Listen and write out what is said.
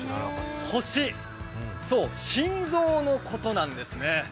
星、心臓のことなんですね。